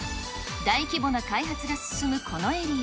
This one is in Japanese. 大規模な開発が進むこのエリア。